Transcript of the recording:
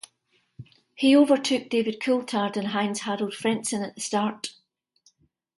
He overtook David Coulthard and Heinz-Harald Frentzen at the start.